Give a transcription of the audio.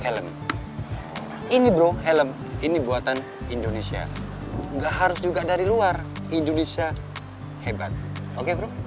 helm ini bro helm ini buatan indonesia enggak harus juga dari luar indonesia hebat oke bro